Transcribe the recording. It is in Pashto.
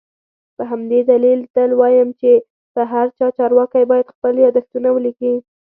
په همدې دلیل تل وایم چي هر چارواکی باید خپل یادښتونه ولیکي